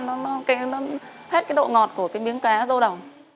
nó hết độ ngọt của miếng cá rô đỏ